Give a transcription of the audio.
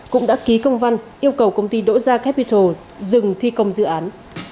cũng đã ký công văn yêu cầu công ty đỗ gia capital dừng thi công dự án